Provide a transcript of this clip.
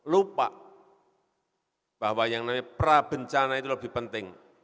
lupa bahwa yang namanya prabencana itu lebih penting